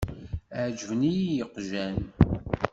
Ɛeǧben-iyi yeqjan.